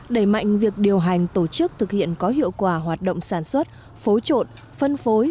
đẩy mạnh việc điều hành tổ chức thực hiện có hiệu quả hoạt động sản xuất phối trộn phân phối